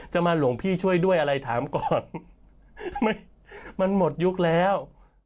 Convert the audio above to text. จะมาหลวงพี่ช่วยด้วยอะไรถามก่อนมันหมดยุคแล้ว